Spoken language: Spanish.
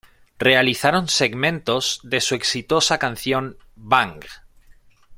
Realizaron segmentos de su exitosa canción, "Bang".